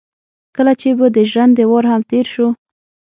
کله چې به د ژرندې وار هم تېر شو.